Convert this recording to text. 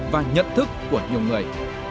và nhận thức của nhiều người